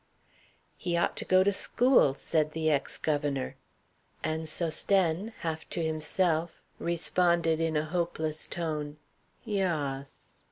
"He ought to go to school," said the ex governor. And Sosthène, half to himself, responded in a hopeless tone: "Yass."